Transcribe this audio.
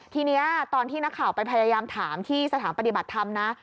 ทีนี้ตอนที่นักข่าวไปพยายามถามที่สถานปฏิบัติธรรมนะ